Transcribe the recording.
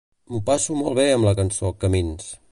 M'ho passo molt bé amb la cançó "Camins".